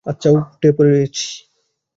আচ্ছা, উঠে পড়েছি।